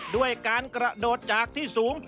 ด้วยการกระโดดจากที่สูง